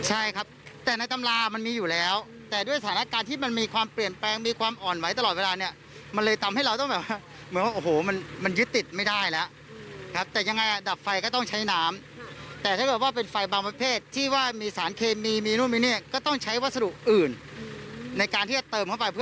ใช่ครับแต่ในตำรามันมีอยู่แล้วแต่ด้วยสถานการณ์ที่มันมีความเปลี่ยนแปลงมีความอ่อนไหวตลอดเวลาเนี่ยมันเลยทำให้เราต้องแบบว่าเหมือนว่าโอ้โหมันมันยึดติดไม่ได้แล้วครับแต่ยังไงอ่ะดับไฟก็ต้องใช้น้ำแต่ถ้าเกิดว่าเป็นไฟบางประเภทที่ว่ามีสารเคมีมีนู่นมีนี่ก็ต้องใช้วัสดุอื่นในการที่จะเติมเข้าไปเพื่อ